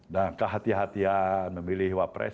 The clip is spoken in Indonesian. dan kehatian kehatian memilih wapres